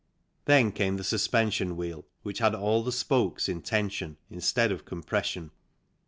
Then came the suspension wheel which had all the spokes in tension instead of compression.